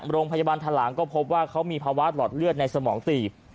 โรงพยาบาลทะหลางก็พบว่าเขามีภาวะหลอดเลือดในสมองตี